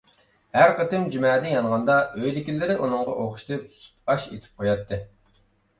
ھەر قېتىم جۈمەدىن يانغاندا ئۆيدىكىلىرى ئۇنىڭغا ئوخشىتىپ سۈتئاش ئېتىپ قوياتتى.